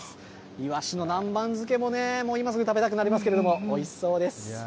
イワシの南蛮漬けももう、今すぐ食べたくなりますけれども、おいしそうです。